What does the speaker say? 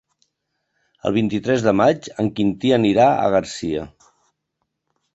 El vint-i-tres de maig en Quintí anirà a Garcia.